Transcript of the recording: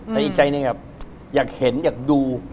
แต่อีกใจหนึ่งครับอยากเห็นอยากดู